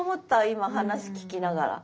今話聞きながら。